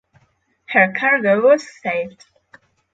Her cargo was saved.